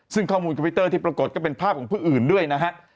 ซึ่งข้อมูลคอมพิวเตอร์ที่ปรากฏก็เป็นภาพของผู้อื่นด้วยนะฮะ